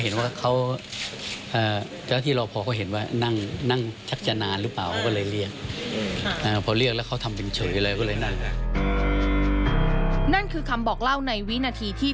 นั่นคือคำบอกเล่าในวินาทีที่